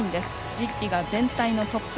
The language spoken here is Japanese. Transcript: ジッリが全体のトップ。